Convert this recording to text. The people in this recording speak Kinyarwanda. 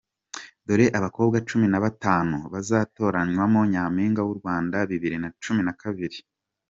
Dore abakobwa cumi Nabatanu bazatorwamo Nyampinga w’u Rwanda Bibiri nacumi nakabiri